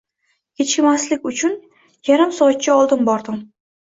Kechikmaslik uchun yarim soatcha oldin bordim.